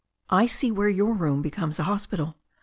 I see where your room becomes a hospital.